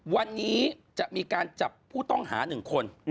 วันนี้จะมีการจับผู้ต้องหา๑คน